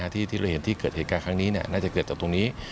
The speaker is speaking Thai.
ที่เราเห็นที่เกิดเหตุการณ์ครั้งนี้น่าจะเกิดจากตรงนี้